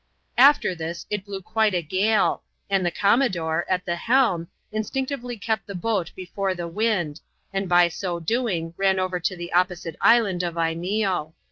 . After this, it blew quite a gale ; and the commodore, at the helm, instinetivelj kept the boat before the wind ; and by so doing, ran over for the opposite island of Imeeo.